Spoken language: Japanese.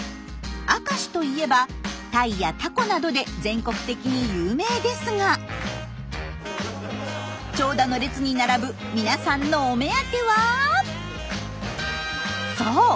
明石といえばタイやタコなどで全国的に有名ですが長蛇の列に並ぶ皆さんのお目当てはそう！